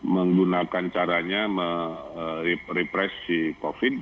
menggunakan caranya me repress si covid